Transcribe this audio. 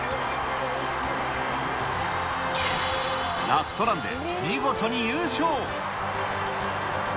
ラストランで見事に優勝。